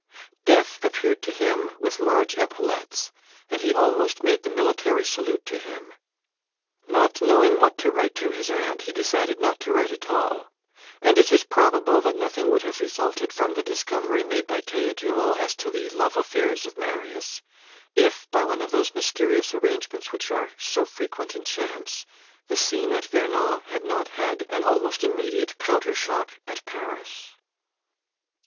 Death appeared to him with large epaulets, and he almost made the military salute to him. Not knowing what to write to his aunt, he decided not to write at all; and it is probable that nothing would have resulted from the discovery made by Théodule as to the love affairs of Marius, if, by one of those mysterious arrangements which are so frequent in chance, the scene at Vernon had not had an almost immediate counter shock at Paris.